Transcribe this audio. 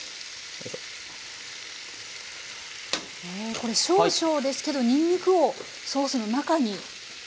これ少々ですけどにんにんくをソースの中に。